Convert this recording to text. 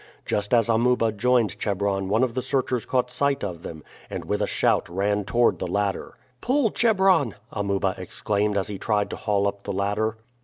Just as Amuba joined Chebron one of the searchers caught sight of them, and with a shout ran toward the ladder. "Pull, Chebron!" Amuba exclaimed as he tried to haul up the ladder.